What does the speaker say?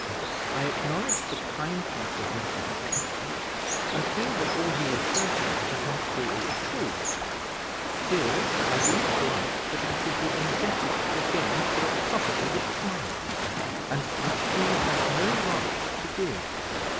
I acknowledge the kindness of Mr. Heatherstone, and feel that all he asserted to Humphrey is true: still I do not like that I should be indebted to him for a property which is mine, and that he has no right to give.